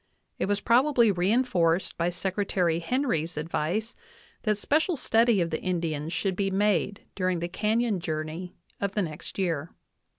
it was probably reinforced by Secretary Henry's advice that special study of the Indians should be made during the canyon journey of the next year.